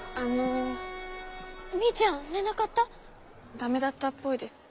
駄目だったっぽいです。